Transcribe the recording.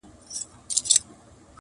• نو دا څنکه د ده څو چنده فایده ده,